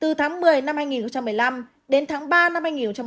từ tháng một mươi năm hai nghìn một mươi năm đến tháng ba năm hai nghìn một mươi chín